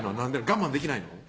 我慢できないの？